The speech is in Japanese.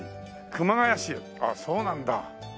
ああそうなんだ。